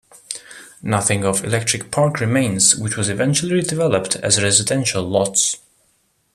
Nothing of "Electric Park" remains, which was eventually redeveloped as residential lots.